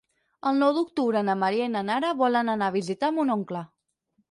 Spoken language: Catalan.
El nou d'octubre na Maria i na Nara volen anar a visitar mon oncle.